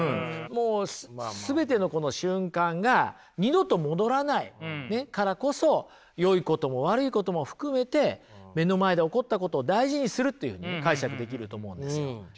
もう全てのこの瞬間が二度と戻らないからこそよいことも悪いことも含めて目の前で起こったことを大事にするというふうにね解釈できると思うんですよええ。